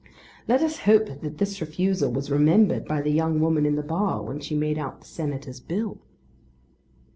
Let us hope that this refusal was remembered by the young woman in the bar when she made out the Senator's bill.